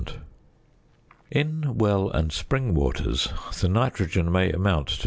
In well and spring waters the nitrogen may amount to 0.